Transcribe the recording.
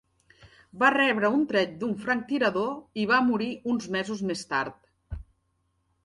Va rebre un tret d'un franctirador i va morir uns mesos més tard.